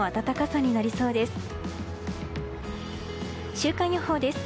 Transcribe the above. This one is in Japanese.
週間予報です。